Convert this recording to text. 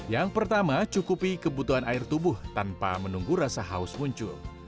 yang pertama cukupi kebutuhan air tubuh tanpa menunggu rasa haus muncul